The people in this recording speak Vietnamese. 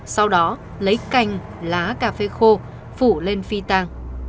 sau đó lấy canh lá cà phê khô phủ lên phi tăng